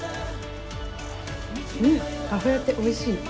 カフェラテおいしい。